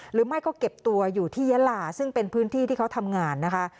หรือไม่ก็เก็บตัวอยู่ที่ยะลาซึ่งเป็นพื้นที่ที่เขาทำงานนะคะ